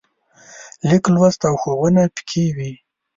لیک لوست او ښوونه پکې وي.